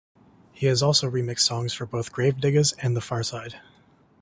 He has also remixed songs for both Gravediggaz and The Pharcyde.